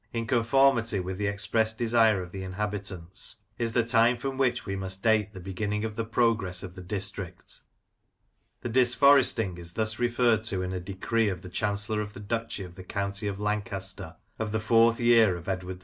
in con formity with the expressed desire of the inhabitants, is the time from which we must date the beginning of the progress of the district The disforesting is thus referred to in a decree of the Chancellor of the Duchy of the County of Lancaster of the 4th year of Edward VI.